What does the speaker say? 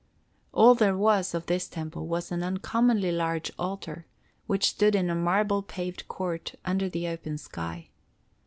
All there was of this temple was an uncommonly large altar, which stood in a marble paved court under the open sky.